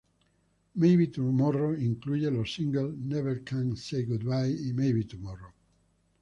Maybe Tomorrow incluye los singles "Never Can Say Goodbye" y "Maybe Tomorrow".